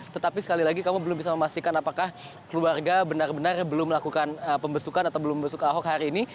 tetapi sekali lagi kami belum bisa memastikan apakah keluarga benar benar belum melakukan pembesukan atau belum membesuk ahok hari ini